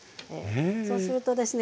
そうするとですね